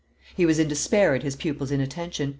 He was in despair at his pupil's inattention.